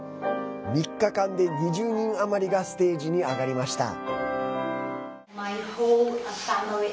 ３日間で２０人余りがステージに上がりました。